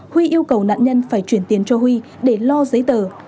huy yêu cầu nạn nhân phải chuyển tiền cho huy để lo giấy tờ